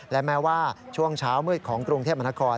และแม้ว่าช่วงเช้ามืดของกรุงเทพมนาคม